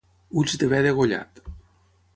Ulls de be degollat.